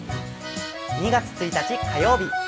２月１日火曜日